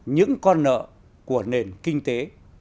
những con nợ của nền kinh tế